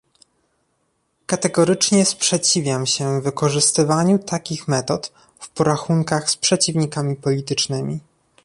Kategorycznie sprzeciwiam się wykorzystywaniu takich metod w porachunkach z przeciwnikami politycznymi